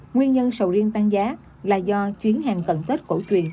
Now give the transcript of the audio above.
nguyên nhân sầu riêng tăng giá là do chuyến hàng tận tết cổ truyền